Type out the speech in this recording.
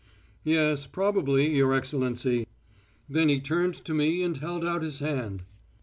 "'Yes, probably, your Excellency.'" Then he turned to me and held out his hand.